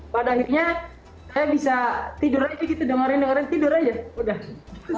pada akhirnya saya bisa tidur aja gitu dengerin dengerin tidur aja udah